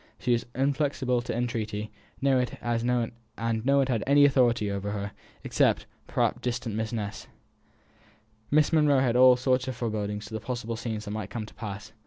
She was inflexible to entreaty, and no one had any authority over her, except, perhaps, distant Mr. Ness. Miss Monro had all sorts of forebodings as to the possible scenes that might come to pass.